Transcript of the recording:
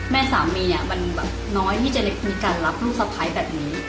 แม่สามีมันแบบน้อยที่จะได้มีการรับลูกสะพ้ายแบบนี้